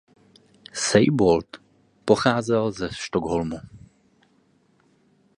Seijbold pocházel ze Stockholmu.